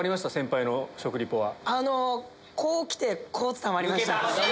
こう来てこう伝わりましたね。